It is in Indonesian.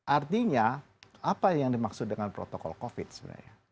artinya apa yang dimaksud dengan protokol covid sebenarnya